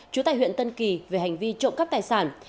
chú tài huyện tân kỳ về hành vi trộm cắp tài sản